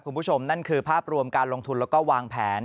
คุณผู้ชมนั่นคือภาพรวมการลงทุนแล้วก็วางแผน